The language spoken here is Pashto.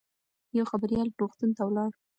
یو خبریال روغتون ته ولاړ.